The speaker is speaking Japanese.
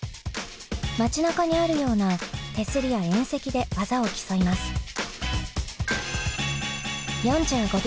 街なかにあるような手すりや縁石で技を競います。を２本。